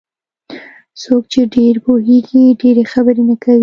څوک چې ډېر پوهېږي ډېرې خبرې نه کوي.